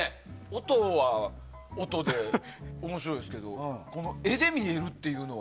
音は音で、面白いですけど絵で見れるっていうのは。